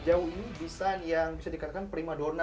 sejauh ini desain yang bisa dikatakan prima donna gitu ya